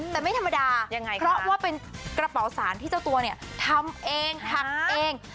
แต่ไม่ธรรมดายังไงเพราะว่าเป็นกระเป๋าสารที่เจ้าตัวเนี่ยทำเองหักเอง